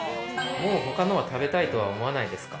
もう他のは食べたいとは思わないですか？